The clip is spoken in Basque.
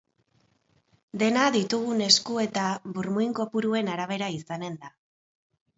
Dena ditugun esku eta burmuin kopuruen arabera izanen da.